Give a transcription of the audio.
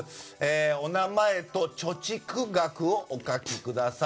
お名前と貯蓄額をお書きください。